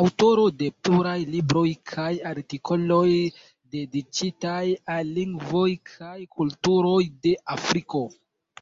Aŭtoro de pluraj libroj kaj artikoloj dediĉitaj al lingvoj kaj kulturoj de Afriko.